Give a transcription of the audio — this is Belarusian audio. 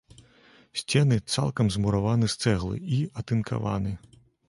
Сцены цалкам змураваны з цэглы і атынкаваны.